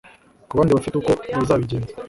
ku bandi bafite uko bazabigenza